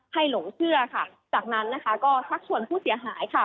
หลงเชื่อค่ะจากนั้นนะคะก็ชักชวนผู้เสียหายค่ะ